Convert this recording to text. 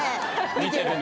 見てるね。